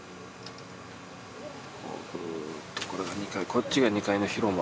こっちが２階の広間。